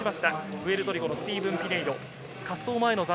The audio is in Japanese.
プエルトリコのスティーブン・ピネイロ。